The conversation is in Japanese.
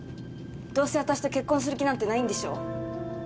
どうせ私と結婚する気なんてないんでしょ？